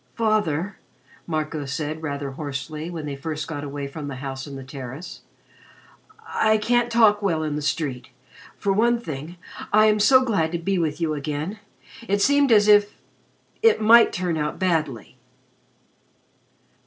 "Father," Marco said, rather hoarsely, when they first got away from the house in the terrace, "I can't talk well in the street. For one thing, I am so glad to be with you again. It seemed as if it might turn out badly."